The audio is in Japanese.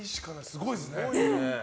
すごいですね。